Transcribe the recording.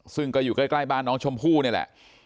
ซึ่งก็อยู่ใกล้บ้านน้องชมพู่นี่แหละ